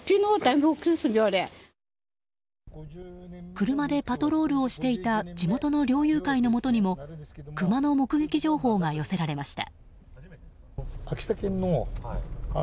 車でパトロールをしていた地元の猟友会のもとにもクマの目撃情報が寄せられました。